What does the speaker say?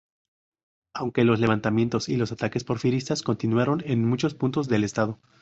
Aunque los levantamientos y los ataques porfiristas continuaron en muchos puntos del Estado.